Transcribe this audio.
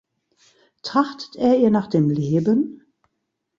Trachtet er ihr nach dem Leben?